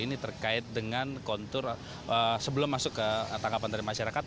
ini terkait dengan kontur sebelum masuk ke tangkapan dari masyarakat